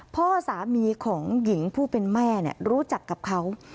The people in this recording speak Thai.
พ่อสามีของหญิงผู้เป็นแม่รู้จักกับเขา